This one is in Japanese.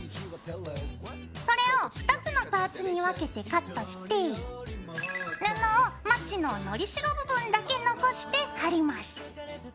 それを２つのパーツに分けてカットして布をまちののりしろ部分だけ残して貼ります。